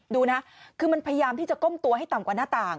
ดูนะคือมันพยายามที่จะก้มตัวให้ต่ำกว่าหน้าต่าง